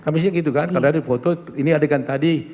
habisnya gitu kan kalau ada foto ini adegan tadi